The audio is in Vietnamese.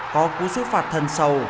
có cú sức phạt thần sầu